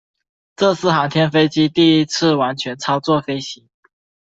这是航天飞机第一次完全操作飞行。